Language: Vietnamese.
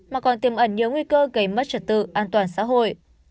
mà còn tiêm ẩn nhiều nguy cơ gây mất trật tự an toàn xã hội